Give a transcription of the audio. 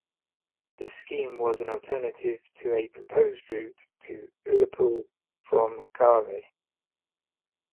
This scheme was as an alternative to a proposed route to Ullapool from Garve.